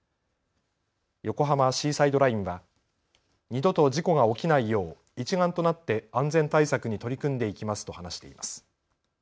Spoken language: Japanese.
横浜シーサイドラインは二度と事故が起きないよう一丸となって安全対策に取り組んでいきますと話しています。